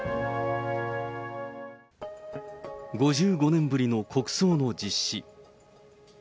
５５年ぶりの国葬の実施。